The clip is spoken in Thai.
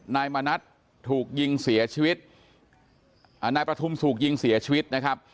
นายมณัฐถูกยิงเสียชีวิตอ่านายประทุมถูกยิงเสียชีวิตนะครับ